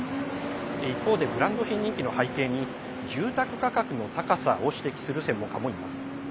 一方で、ブランド品人気の背景に住宅価格の高さを指摘する専門家もいます。